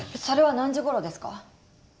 それは何時ごろですか？